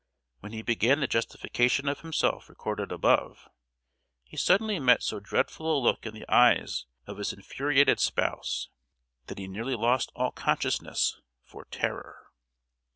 When he began the justification of himself recorded above, he suddenly met so dreadful a look in the eyes of his infuriated spouse that he nearly lost all consciousness, for terror!